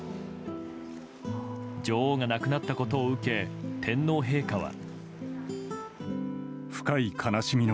女王が亡くなったことを受け天皇陛下は。